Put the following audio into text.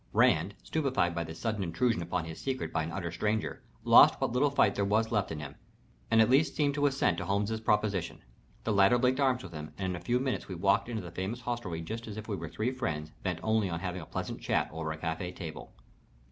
Rand, stupefied by this sudden intrusion upon his secret by an utter stranger, lost what little fight there was left in him, and at least seemed to assent to Holmes's proposition. The latter linked arms with him, and in a few minutes we walked into the famous hostelry just as if we were three friends, bent only upon having a pleasant chat over a café table.